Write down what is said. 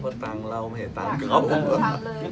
แต่ถ้าเรามีการดูแลเรื่อย